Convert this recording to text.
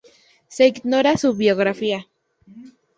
Se ignora su biografía.